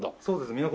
そうです。